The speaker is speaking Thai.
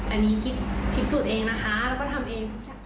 อันนี้คิดสูตรเองนะคะแล้วก็ทำเอง